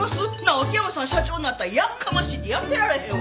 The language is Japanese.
秋山さん社長になったらやかましいってやってられへんわ。